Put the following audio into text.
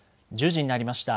１０時になりました。